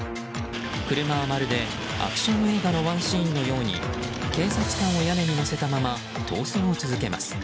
車は、まるでアクション映画のワンシーンのように警察官を屋根に乗せたまま逃走を続けます。